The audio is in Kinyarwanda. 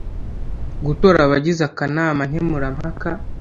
gutora abagize akanama nkemurampaka